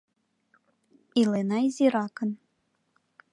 — Илена изиракын.